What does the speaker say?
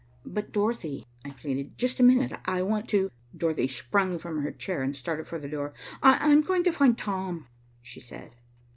"But, Dorothy," I pleaded. "Just a minute, I want to " Dorothy sprung from her chair and started for the door. "I'm going to find Tom," she said.